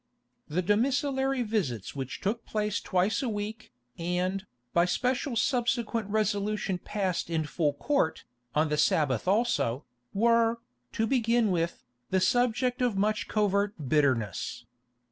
The domiciliary visits which took place twice a week, and, by special subsequent resolution passed in full Court, on the Sabbath also, were, to begin with, the subject of much covert bitterness.